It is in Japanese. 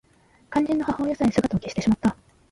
肝心の母親さえ姿を隠してしまった